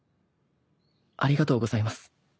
ありがとうございます。